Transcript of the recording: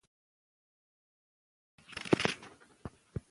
پیسې یوازې د ځان لپاره مه ساتئ.